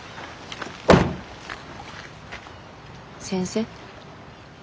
先生？